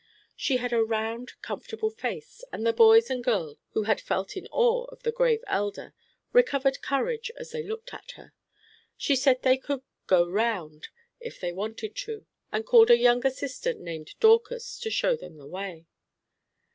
She had a round, comfortable face, and the boys and girls, who had felt an awe of the grave Elder, recovered courage as they looked at her. She said they could "go round" if they wanted to, and called a younger sister named Dorcas to show them the way.